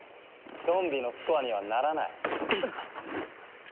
ゾンビのスコアにはならない。